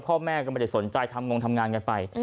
พ่อแม่ก็ไม่ได้สนใจทำงงทำงานกันไป